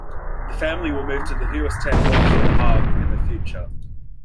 The family will move to Huis ten Bosch in The Hague in the future.